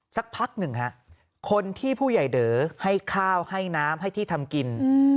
สักพักหนึ่งฮะคนที่ผู้ใหญ่เด๋อให้ข้าวให้น้ำให้ที่ทำกิน